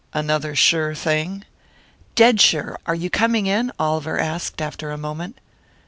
"Another 'sure thing'?" "Dead sure. Are you coming in?" Oliver asked, after a moment.